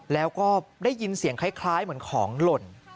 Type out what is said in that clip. แล้วก็ได้ยินเสียงคล้ายเหมือนของหล่น